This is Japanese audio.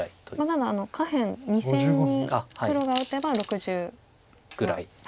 ただ下辺２線に黒が打てば６０は。ぐらい。